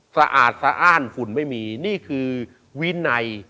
สะอาดสะอ้านฝุ่นไม่มีนี่คือวินัย